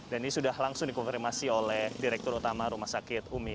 dan ini sudah langsung dikonfirmasi oleh direktur utama rumah sakit umi